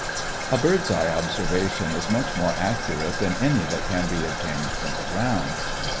A bird's eye observation is much more accurate than any that can be obtained from the ground.